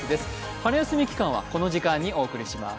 春休み期間はこの時間にお送りします。